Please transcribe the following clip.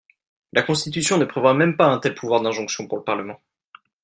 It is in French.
La Constitution ne prévoit même pas un tel pouvoir d’injonction pour le Parlement.